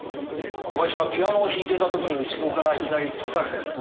ガイシャはピアノを弾いていた時に後ろからいきなり刺されたようです。